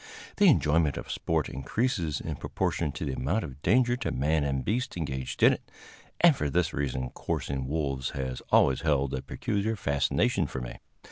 The enjoyment of sport increases in proportion to the amount of danger to man and beast engaged in it, and for this reason coursing wolves has always held a peculiar fascination for me.